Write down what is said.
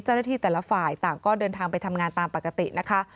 เจ้าหน้าที่แต่ละฝ่ายต่างก็เดินทางไปทำงานตามปกตินะคะ